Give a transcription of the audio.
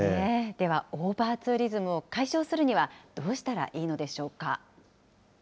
では、オーバーツーリズムを解消するにはどうしたらいいのでしょうか。